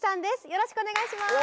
よろしくお願いします！